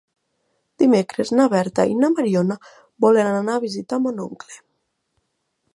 Dimecres na Berta i na Mariona volen anar a visitar mon oncle.